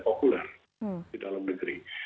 populer di dalam negeri